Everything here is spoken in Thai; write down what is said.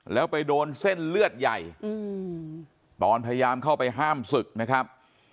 แล้วไปโดนเส้นเลือดใหญ่ตอนพยายามเข้าไปห้ามศึกนะครับ